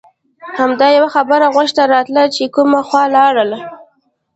همدا یوه خبره غوږ ته راتله چې کومه خوا لاړل.